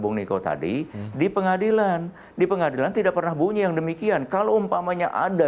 bung niko tadi di pengadilan di pengadilan tidak pernah bunyi yang demikian kalau umpamanya ada